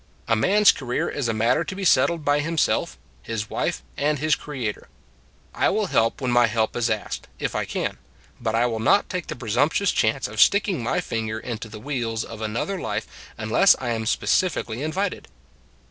A man s career is a matter to be settled by himself, his wife and his Creator. I will help when my help is asked, if I can; but I will not take the presumptuous chance of sticking my finger into the wheels of any other life unless I am specifically in vited.